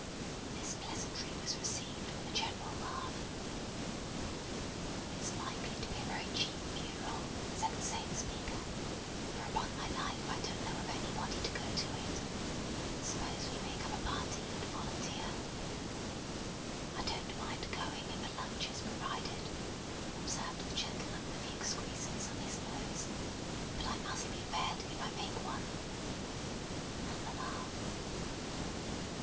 This pleasantry was received with a general laugh. "It's likely to be a very cheap funeral," said the same speaker; "for upon my life I don't know of anybody to go to it. Suppose we make up a party and volunteer?" "I don't mind going if a lunch is provided," observed the gentleman with the excrescence on his nose. "But I must be fed, if I make one." Another laugh.